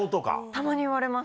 たまに言われます。